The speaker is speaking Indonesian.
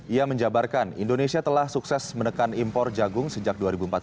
ia menjabarkan indonesia telah sukses menekan impor jagung sejak dua ribu empat belas